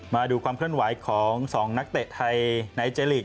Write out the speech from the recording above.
มาดูความเคลื่อนไหวของ๒นักเตะไทยในเจลีก